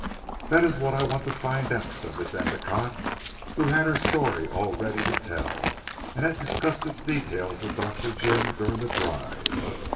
"That is what I want to find out," said Miss Endicotte who had her story all ready to tell, and had discussed its details with Dr. Jim during the drive.